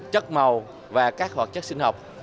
chất màu và các hoạt chất sinh học